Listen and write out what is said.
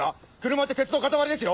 車って鉄の塊ですよ。